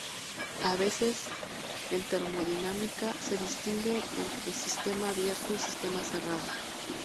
A veces en termodinámica se distingue entre sistema abierto y sistema cerrado.